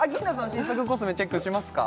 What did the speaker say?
新作コスメチェックしますか？